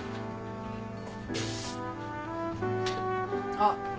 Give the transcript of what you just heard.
あっ